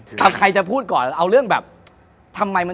ที่ผ่านมาที่มันถูกบอกว่าเป็นกีฬาพื้นบ้านเนี่ย